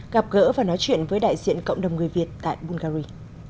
gặp gỡ và nói chuyện với đại diện cộng đồng người việt tại bungary